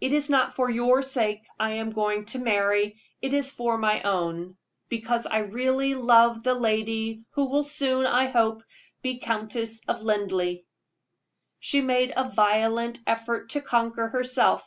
It is not for your sake I am going to marry; it is for my own, because I really love the lady who will soon, I hope, be Countess of Linleigh." She made a violent effort to conquer herself.